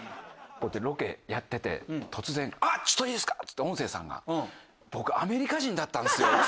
こうやってロケやってて突然「あっちょっといいですか？」っつって音声さんが「僕アメリカ人だったんですよ」